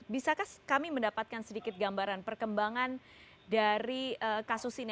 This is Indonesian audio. bisakah kami mendapatkan sedikit gambaran perkembangan dari kasus ini